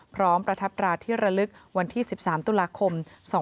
ประทับตราที่ระลึกวันที่๑๓ตุลาคม๒๕๖๒